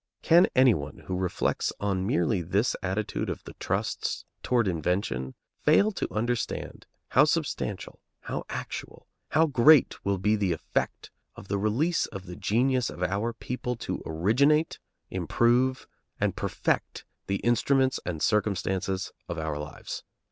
Can any one who reflects on merely this attitude of the trusts toward invention fail to understand how substantial, how actual, how great will be the effect of the release of the genius of our people to originate, improve, and perfect the instruments and circumstances of our lives?